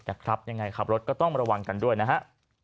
ครับยังไงขับรถก็ต้องระวังกันด้วยนะฮะ